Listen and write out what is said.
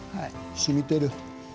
しみている。